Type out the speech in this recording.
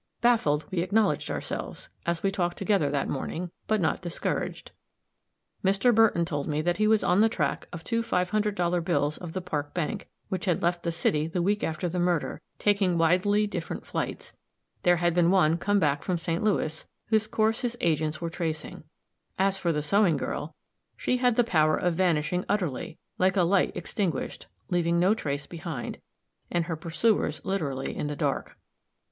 Baffled we acknowledged ourselves, as we talked together that morning, but not discouraged. Mr. Burton told me that he was on the track of two five hundred dollar bills of the Park Bank, which had left the city the week after the murder, taking widely different flights; there had one come back from St. Louis, whose course his agents were tracing. As for the sewing girl, she had the power of vanishing utterly, like a light extinguished, leaving no trace behind, and her pursuers literally in the dark.